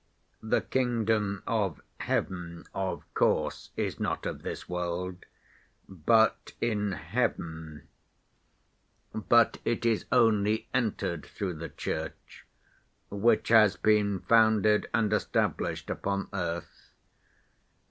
The Kingdom of Heaven, of course, is not of this world, but in Heaven; but it is only entered through the Church which has been founded and established upon earth.